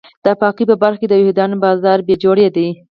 د پاکۍ په برخه کې د یهودیانو بازار بې جوړې دی.